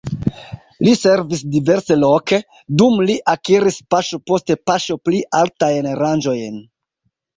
Li servis diversloke, dum li akiris paŝo post paŝo pli altajn rangojn.